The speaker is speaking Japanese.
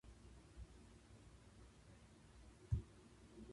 猫の一番いい匂いの部位は、指と指の間のみぞなんだよね。